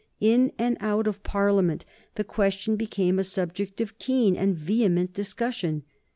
In and out of Parliament the question became a subject of keen and vehement discussion.